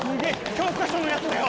教科書のやつだよ。